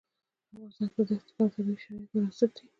په افغانستان کې د دښتې لپاره طبیعي شرایط مناسب دي.